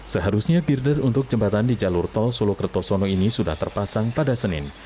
seharusnya girder untuk jembatan di jalur tol suluk rtosono ini sudah terpasang pada senin